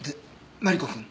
マリコくん！